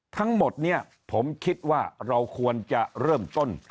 ทั้งหมดนี้ผมคิดว่าเราควรจะเริ่มต้น